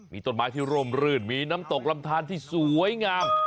มีต้นไม้ที่ร่มรื่นมีน้ำตกลำทานที่สวยงาม